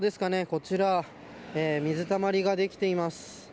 こちら水たまりができています。